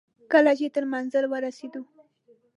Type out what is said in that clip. کله چې تر منزل ورسېدو.